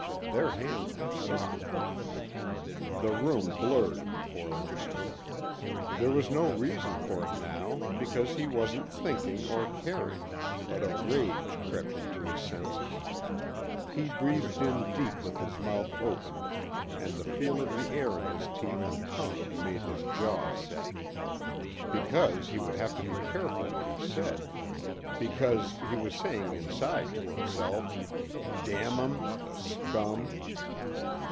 Their hands were soft. The room blurred before Lindstrum. There was no reason for it now because he wasn't thinking or caring but a rage crept into his senses. He breathed in deep with his mouth opened and the feel of the air on his teeth and tongue made his jaw set. Because he would have to be careful what he said. Because he was saying inside to himself, "Damn 'em. The scum!"